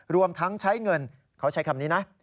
รวมทั้งใช้เงินเขาใช้คำนี้นะ